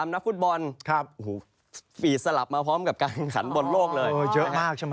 ๑๓นับฟุตบอลฟีสต์สลับมาพร้อมกับการคันบนโลกเลยนะครับ๘๐๐